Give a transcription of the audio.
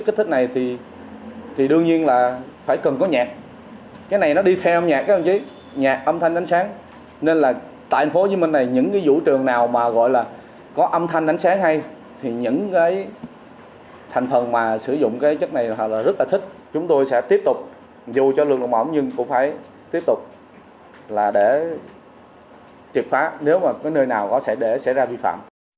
chúng tôi sẽ tiếp tục dù cho lượng lượng mỏng nhưng cũng phải tiếp tục là để triệt phá nếu mà nơi nào có xảy ra vi phạm